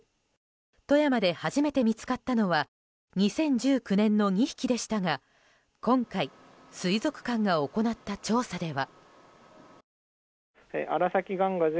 富山で初めて見つかったのは２０１９年の２匹でしたが今回水族館が行った調査では。